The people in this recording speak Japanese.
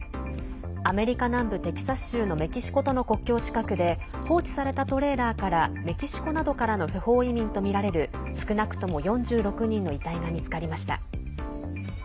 アメリカ南部テキサス州のメキシコとの国境近くで放置されたトレーラーからメキシコなどからの不法移民とみられる少なくとも４６人の遺体が見つかりました。